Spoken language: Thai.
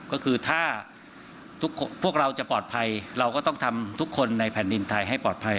ก็คือถ้าพวกเราจะปลอดภัยเราก็ต้องทำทุกคนในแผ่นดินไทยให้ปลอดภัย